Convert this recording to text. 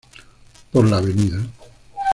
Por la Av.